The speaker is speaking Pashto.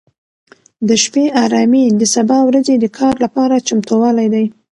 د شپې ارامي د سبا ورځې د کار لپاره چمتووالی دی.